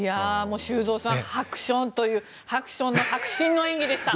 修造さんハクション！という迫真の演技でした。